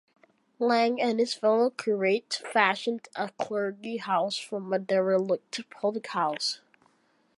Lang and his fellow curates fashioned a clergy house from a derelict public house.